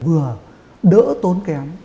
vừa đỡ tốn kém